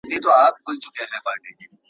دوی په بازار کي د عرضې او تقاضا توازن ساتي.